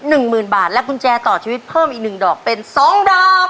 ได้๑หมื่นบาทและกุญแจต่อชีวิตเพิ่มจนนึงดอกเป็น๒ดอก